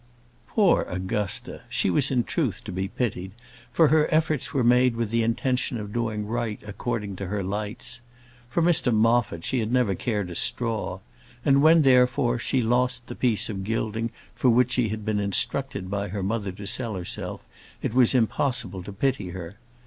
Poor Augusta! She was in truth to be pitied, for her efforts were made with the intention of doing right according to her lights. For Mr Moffat she had never cared a straw; and when, therefore, she lost the piece of gilding for which she had been instructed by her mother to sell herself, it was impossible to pity her.